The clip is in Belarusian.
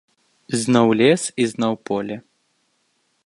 Зноў лес і зноў поле.